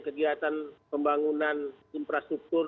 kegiatan pembangunan infrastruktur